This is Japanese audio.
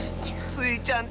スイちゃん